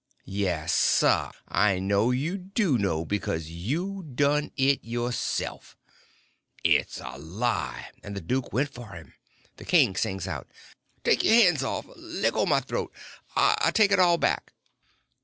"Yes, sir! I know you do know, because you done it yourself!" "It's a lie!"—and the duke went for him. The king sings out: "Take y'r hands off!—leggo my throat!—I take it all back!"